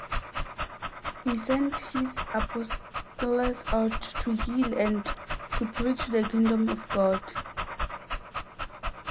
He sent his apostles out to heal and to preach the Kingdom of God.